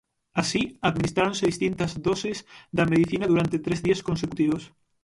Así, administráronse distintas doses da medicina durante tres días consecutivos.